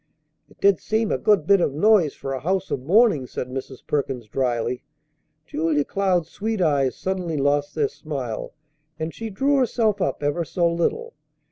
"It did seem a good bit of noise for a house of mourning," said Mrs. Perkins dryly. Julia Cloud's sweet eyes suddenly lost their smile, and she drew herself up ever so little.